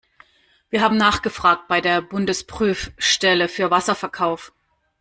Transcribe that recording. Wir haben nachgefragt bei der Bundesprüfstelle für Wasserverkauf.